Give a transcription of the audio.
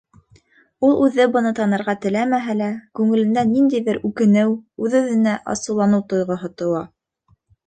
Ул үҙе быны танырға теләмәһә лә, күңелендә ниндәйҙер үкенеү, үҙ-үҙенә асыуланыу тойғоһо тыуа.